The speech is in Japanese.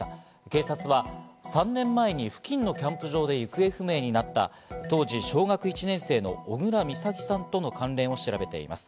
警察は３年前に付近のキャンプ場で行方不明になった当時小学１年生の小倉美咲との関連を調べています。